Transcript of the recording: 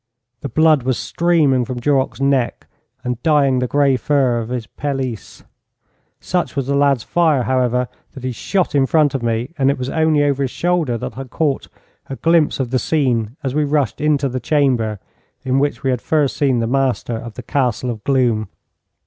The blood was streaming from Duroc's neck and dyeing the grey fur of his pelisse. Such was the lad's fire, however, that he shot in front of me, and it was only over his shoulder that I caught a glimpse of the scene as we rushed into the chamber in which we had first seen the master of the Castle of Gloom.